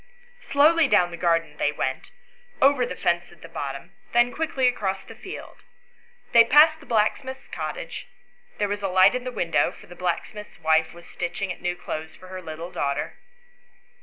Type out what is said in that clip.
Slowly down the garden they went, over the fence at the bottom, then quickly across the field. They passed the blacksmith's cottage; there was a light in the window, for the blacksmith's wife was stitching at new clothes for her little daughter.